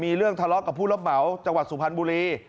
มีเรื่องทะเลาะกับผู้รับเหมาจังหวัดสุพรรณบุรี